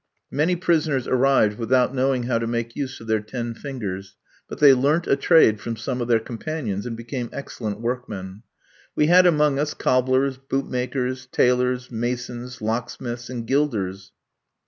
Many prisoners arrived without knowing how to make use of their ten fingers; but they learnt a trade from some of their companions, and became excellent workmen. We had among us cobblers, bootmakers, tailors, masons, locksmiths, and gilders.